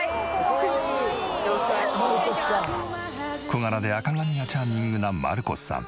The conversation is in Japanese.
小柄で赤髪がチャーミングなマルコスさん。